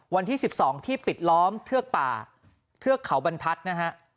วันที่๑๒ที่ปิดล้อมเทือกป่าเทือกเขาบรรทัศน์นะฮะ